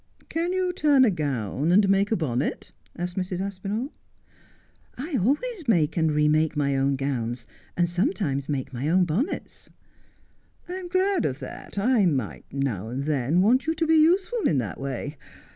' Can you turn a gown, and make a bonnet 1 ' asked Mrs. Aspinall. ' I always make and remake my own gowns, and sometimes make my own bonnets.' ' I'm glad of that. I might now and then want you to be useful in that way.